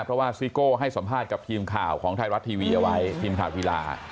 เพราะว่าซิโก้ให้สัมภาษณ์กับทีมข่าวของไทยรัฐทีวีเอาไว้ทีมข่าวกีฬา